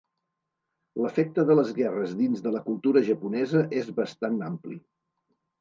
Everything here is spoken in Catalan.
L'efecte de les guerres dins de la cultura japonesa és bastant ampli.